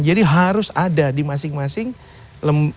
jadi harus ada di masing masing satker di lembaga